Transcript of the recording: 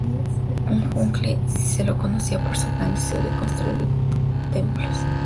A Hinckley se le conocía por su gran deseo de construir templos.